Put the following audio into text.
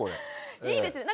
いいですね。